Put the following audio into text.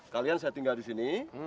kalian saya tinggal di sini